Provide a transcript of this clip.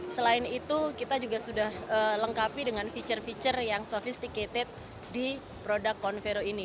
selain itu kita juga sudah lengkapi dengan fitur fitur yang sophisticated di produk convero ini